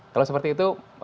kalau seperti itu